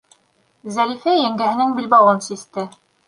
Зәлифә еңгәһенең билбауын систе.